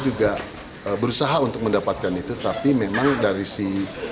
juga berusaha untuk mendapatkan itu tapi memang dari si